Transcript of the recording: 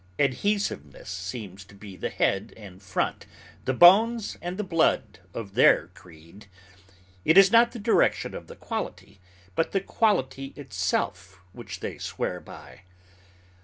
Adhesiveness seems to be the head and front, the bones and the blood, of their creed. It is not the direction of the quality, but the quality itself, which they swear by.